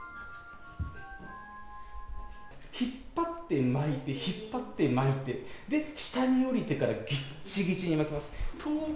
引っ張って巻いて、引っ張って巻いて、で、下に下りてからぎっちぎちに巻きます。